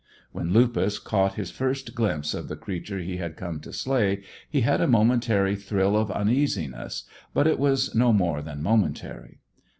When Lupus caught his first glimpse of the creature he had come to slay, he had a momentary thrill of uneasiness, but it was no more than momentary.